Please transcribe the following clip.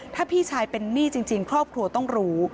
ถ้าพี่ชายเป็นหนี้จริงครอบครัวต้องรู้